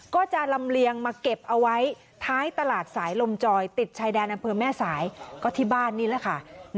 ก็จะลำเลียงมาเก็บเอาไว้ท้ายตลาดสายลมจอยติดชายแดนอำเภอแม่สายก็ที่บ้านนี่แหละค่ะ